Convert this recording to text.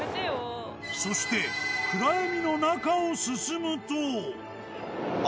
そして暗闇の中を進むと。